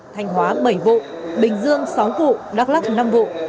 thanh hóa bảy vụ bình dương sáu vụ đắk lắc năm vụ